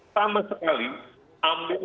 sama sekali ambil